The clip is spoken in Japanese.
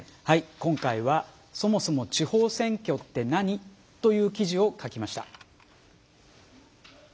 今回は「そもそも地方選挙って何？」という記事を書きました。